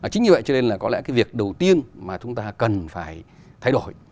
chính vì vậy cho nên là có lẽ cái việc đầu tiên mà chúng ta cần phải thay đổi